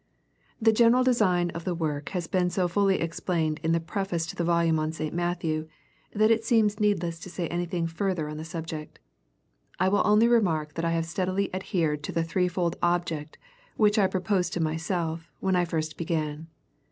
The general design of the work has been so fully ex plained in the preface to the volume on St. Matthew, that it seems needless to say anything further on the subject. I will only remark that I have steadily ad hered to the threefold object, which I proposed to my self, when I first began.